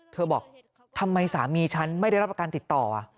เธอบอกทำไมสามีฉันไม่ได้รับประกันติดต่อ